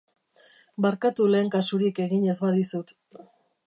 Barkatu lehen kasurik egin ez badizut.